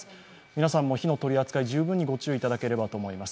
皆さんも火の取り扱い、十分にご注意いただければと思います。